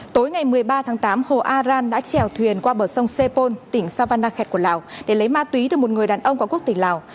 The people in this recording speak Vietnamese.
tối ngày một mươi ba tháng tám hồ a ran đã trèo thuyền qua bờ sông sepol tỉnh savannakhet của lào để lấy ma túy từ một người đàn ông có quốc tịch lào